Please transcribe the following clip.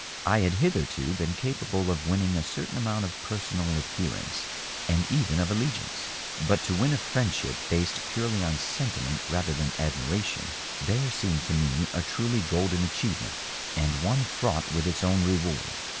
I had hitherto been capable of winning a certain amount of personal adherence and even of all^iance, but to win a friendship based purely on sentiment rather than admiration, — there seemed to me a truly golden achievement, and one fraught with its own reward.